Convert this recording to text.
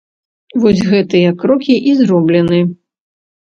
Вось гэтыя крокі і зроблены.